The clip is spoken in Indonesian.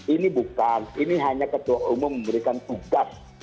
ini bukan ini hanya ketua umum memberikan tugas